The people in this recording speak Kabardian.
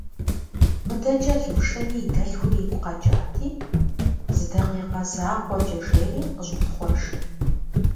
Мыдэкӏэ Лушэми и дэлъхур игу къэкӏати, зы дакъикъэ закъуэкӏэ жери, къыщӏопхъуэж.